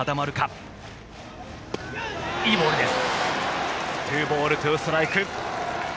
いいボールです。